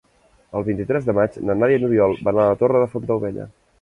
El vint-i-tres de maig na Nàdia i n'Oriol van a la Torre de Fontaubella.